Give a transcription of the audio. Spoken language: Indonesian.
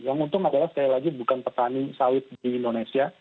yang untung adalah sekali lagi bukan petani sawit di indonesia